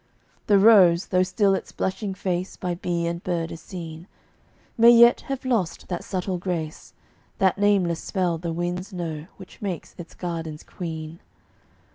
The rose, though still its blushing face By bee and bird is seen, May yet have lost that subtle grace That nameless spell the winds know Which makes it garden's queen.